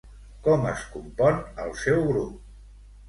Com es compon el seu grup?